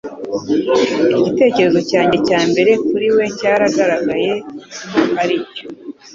Igitekerezo cyanjye cya mbere kuri we cyagaragaye ko ari cyo.